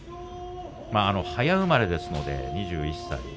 早生まれですので、２１歳。